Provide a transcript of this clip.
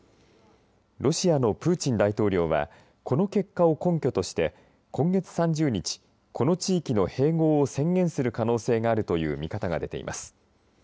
ロシアのプーチン大統領はこの結果を根拠として今月３０日この地域の併合を宣言する可能性があるという見方が出ています。